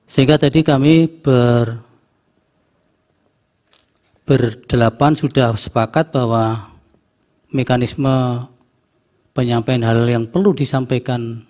sehingga tadi kami berdelapan sudah sepakat bahwa mekanisme penyampaian hal yang perlu disampaikan